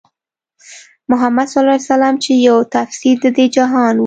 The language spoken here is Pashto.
محمدص چې يو تفسير د دې جهان دی